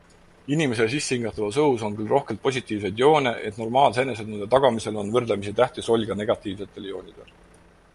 Inimese sissehingatavas õhus on küll rohkelt positiivseid ioone, ent normaalse enesetunde tagamisel on võrdlemisi tähtis roll ka negatiivsetel ioonidel.